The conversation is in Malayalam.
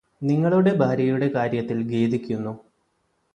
നിങ്ങളുടെ ഭാര്യയുടെ കാര്യത്തില് ഖേദിക്കുന്നു